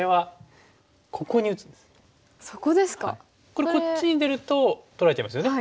これこっちに出ると取られちゃいますよね。